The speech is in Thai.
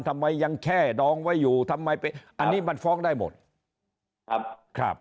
ทำไมยังแค่ดองไว้อยู่ทำไมไปอันนี้มันฟ้องได้หมดครับครับ